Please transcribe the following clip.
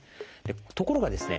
ところがですね